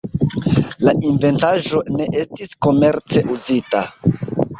La inventaĵo ne estis komerce uzita.